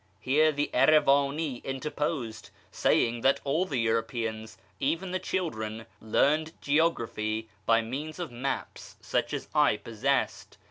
Here the Erivani interposed, saying that all the Europeans, even the children, learned geography by means of maps such as I possessed.